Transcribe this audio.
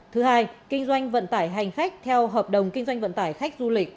thứ hai kinh doanh vận tải hành khách theo hợp đồng kinh doanh vận tải khách du lịch